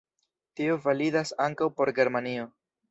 Tio validas ankaŭ por Germanio.